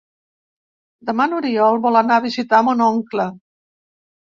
Demà n'Oriol vol anar a visitar mon oncle.